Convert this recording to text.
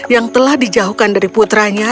yang telah dijauhkan dari putranya